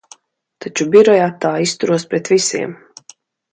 Taču birojā tā izturos pret visiem.